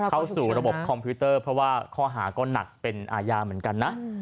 เข้าสู่ระบบคอมพิวเตอร์เพราะว่าข้อหาก็หนักเป็นอาญาเหมือนกันนะ